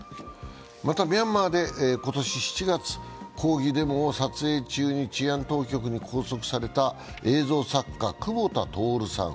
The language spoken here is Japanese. またミャンマーで今年７月、抗議デモを撮影中に治安当局に拘束された映像作家、久保田徹さん